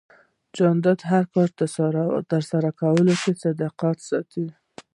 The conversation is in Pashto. جانداد د هر کار ترسره کولو کې صداقت ساتي.